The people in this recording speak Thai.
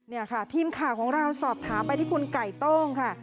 นี่ค่ะทีมข่าวของเราสอบถามไปที่คุณไก่โต้งค่ะ